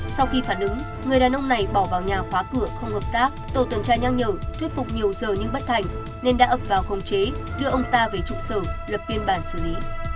sau khi phản ứng người đàn ông này bỏ vào nhà khóa cửa không hợp tác tổ tuần tra nhắc nhở thuyết phục nhiều giờ nhưng bất thành nên đã ập vào khống chế đưa ông ta về trụ sở lập biên bản xử lý